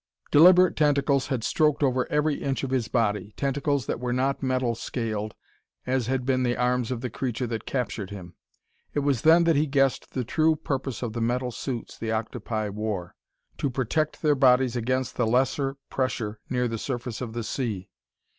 Deliberate tentacles had stroked over every inch of his body tentacles that were not metal scaled, as had been the arms of the creature that captured him. It was then that he guessed the true purpose of the metal suits the octopi wore to protect their bodies against the lesser pressure near the surface of the sea.